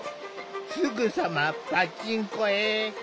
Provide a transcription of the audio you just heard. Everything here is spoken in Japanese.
すぐさまパチンコへ。